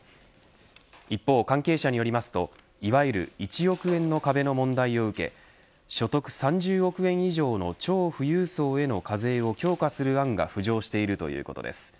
一方関係者によりますと、いわゆる１億円の壁の問題を受け所得３０億円以上の超富裕層への課税を強化する案が浮上しているということです。